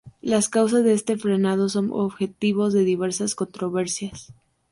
Las causas de este frenado son objeto de diversas controversias.